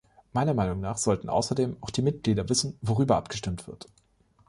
Meiner Meinung nach sollten außerdem auch die Mitglieder wissen, worüber abgestimmt wird.